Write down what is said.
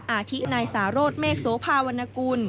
อาทินายสารสเมฆโสภาวรรณกุล